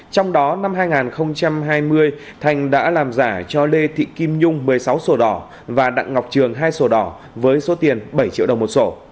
trong đó năm hai nghìn hai mươi thành đã làm giả cho lê thị kim nhung một mươi sáu sổ đỏ và đặng ngọc trường hai sổ đỏ với số tiền bảy triệu đồng một sổ